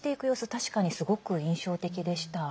確かに、すごく印象的でした。